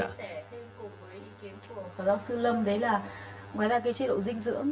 ngoài ra cái chế độ dinh dưỡng